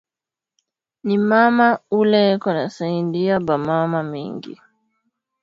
Ni mama ule eko na saidia ba mama mingi